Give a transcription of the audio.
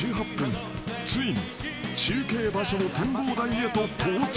［ついに中継場所の展望台へと到着］